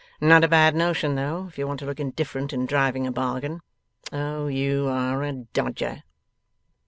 Not a bad notion though, if you want to look indifferent in driving a bargain. Oh, you are a dodger!